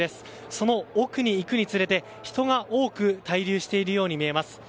その奥に行くにつれて、人が多く滞留しているように見えます。